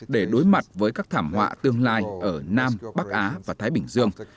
để đối mặt với các thảm họa tương lai ở nam bắc á và thái bình dương